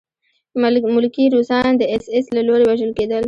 ملکي روسان د اېس ایس له لوري وژل کېدل